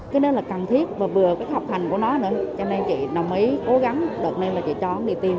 cái đó là cần thiết và vừa cái học hành của nó nữa cho nên chị đồng ý cố gắng đợt này là chị cho đi tiêm